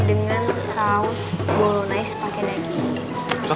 dengan saus bolonais pakai daging